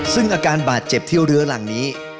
ซึ่งอาการบาดเจ็บเที่ยวเรือหลังนี้